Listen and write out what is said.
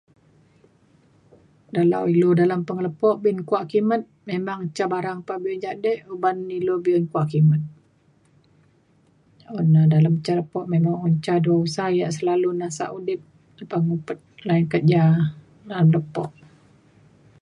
dalau lu dalem pengelepo umbin kua kimet memang ca barang pa be jadi uban ilu be'un kua kimet. un dalem ca lepo memang un ca dua usa ia' selalu nasak udip lepa ngupet lai kerja na lepo